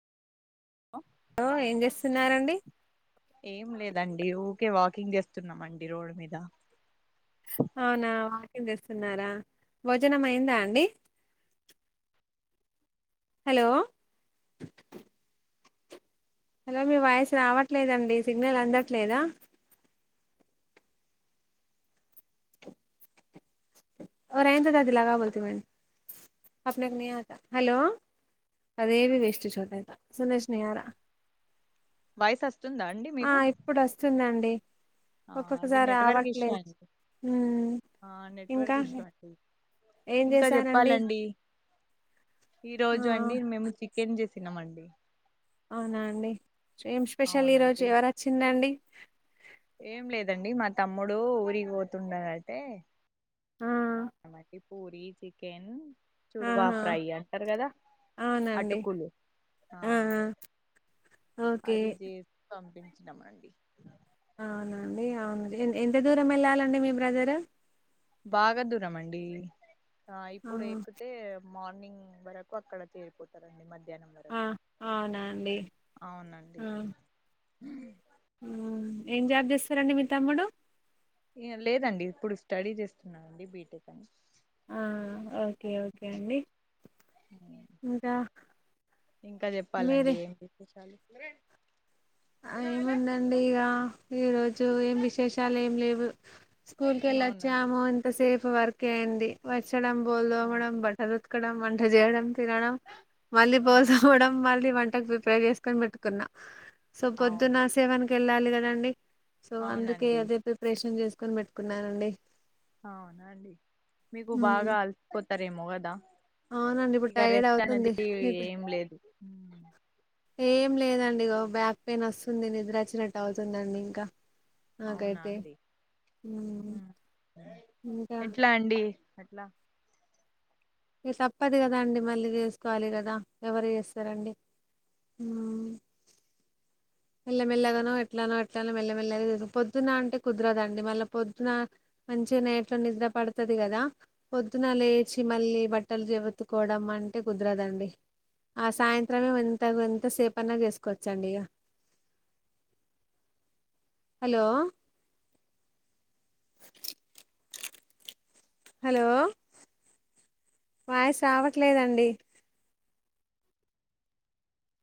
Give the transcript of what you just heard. hello ఏం చేస్తున్నారండి ఏం లేదండి ఊకే వాకింగ్ చేస్తున్నామ అండి రోడ్డు మీద అవునా వాకింగ్ చేస్తున్నారా భోజనం అయిందా అండి హలో హలో మీ వాయిసు రావట్లేదండి సిగ్నల్ అందట్లేదా ఒరే ఏంతిద పిలగా బోల్తే బోల్ అఫ్నెకు నీయాత హలో అదేవి వెస్ట్ షోదేత సందేష్ నియార వయస్ అస్ ఆ ఇప్పుడు అస్తుందండి ఆ అది నెట్వర్క్ ఇష్యూ అండి ఉమ్ ఆ నెట్వర్క్ ఇంకా ఇష్యూ అండి ఏం ఇంకా చేశారండి చెప్పాలండి ఈ ఆ రోజు అండి మేము చికెన్ చేసినం అండి ఉ [unintelligible] అవునా అండి చేం స్పెషల్ ఈ రోజు అవునండి ఎవరు వచ్చింరండి ఏం లేదండి మా తమ్ముడు ఊరికి పోతుండేనైతె ఆ అ నాకిప్ పూరి చికెన్ చుడువా ఆహా ఫ్రై అంటారు కదా అవునండి అటుకులు ఆ ఓకే అది చేసి పంపిం నమండి అవునండి అవును మరి ఎ ఎంత దూరం ఎళ్ళాలండి మీ బ్రదరు బాగా దూరం అండి ఆ ఇప్పుడు ఎక్కుతే మార్నింగ్ వరకు అక్కడ చేరిపోతారండి మధ్ ధ్యానం ఆ వరకు అవునా అండి అవునండి ఊ ఏం జాబ్ చేస్తారండి మీ తమ్ముడు ఇగ లేదండి ఇప్పుడు స్టడీ చేస్తున్నాడండి బీటెక్ అని ఆ ఓకే ఓకే అండి ఇంకా ఇంకా చెప్పాలండి మీరే ఏం విశేషాలు ఒరే ఆ ఏముందండి ఇగ ఈ రోజు ఏం విశేషాలు ఏం లేవు అవునా స్కూల్కెళ్ళోచ్చాము ఇంత సేపు వర్క్ ఏంది వచ్ ఇక్కడం బొల్ అవును దోమడం బట్టలుతుక్ ఇక్కడం వంట చేయడం తినడం మళ్ళీ అవును బోల్దోమడం మళ్ళీ వంటకు విప్ ఫ్రై చేసుకొన్ పెట్కున్న సొ పొద్దున్న అవునండి సెవెన్ కెళ్ళాలిగ రండి సొ అందుకే అవునండి అదే ప్రిప్రేషన్ చేస్ కొన్ బెట్కున్నానండి అవునాఅండి మీకు ఉమ్, బాగా అల్పోత్ సరే మోగదా అవునండి ఇప్పుడు టైర్డ్ అవుతుంది నిద్ర ఏం లేదు ఏం లేదండి ఇగో బ్యాక్ పేన్ అస్సుంది నిద్ర అచ్చినట్టు అవుతుందండి ఇంక అవునా అండి ఉమ్, ఊ ఇంకా ఎట్లా అండి ఎట్లా ఇ తప్పదు కదా అండి మళ్ళీ చేస్కోవాలి కదా ఎవరు చేస్తరండి ఊమ్ మెల్లమెల్లగానో ఎట్లనో ఎట్లనో మెల్లమెల్లగ పొద్దున అంటె కుదరదండి మళ్ళ పొద్దున మంచిగ నేట్లో నిద్ర పడతది కదా పొద్దున లేచి మళ్ళీ బట్టలు ఉతుక్కోడం అంటే కుదరదండి ఆ సాయంత్రమే ఎంత ఎంత సేపన్న చేసుకోచ్చండి ఇగ హలో హలో వాయిస్ రావట్లేదండి